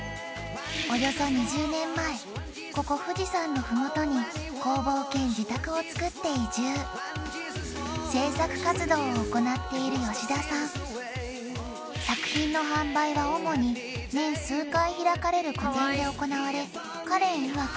およそ２０年前ここ富士山の麓に工房兼自宅をつくって移住制作活動を行っている吉田さん作品の販売は主に年数回開かれる個展で行われカレンいわく